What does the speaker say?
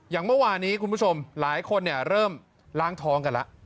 เมื่อวานี้คุณผู้ชมหลายคนเริ่มล้างท้องกันแล้ว